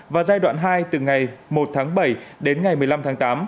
và giai đoạn hai từ ngày một tháng bảy đến ngày một mươi năm tháng tám